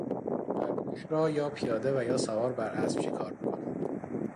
خرگوش را یا پیاده و یا سوار بر اسب شکار میکنند.